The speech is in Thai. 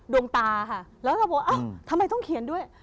ดวงตาค่ะแล้วถ้าบอกอ้าวทำไมต้องเขียนด้วย